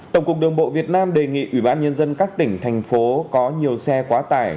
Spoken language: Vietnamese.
tổng cục đường bộ việt nam đề nghị ủy ban nhân dân các tỉnh thành phố có nhiều xe quá tải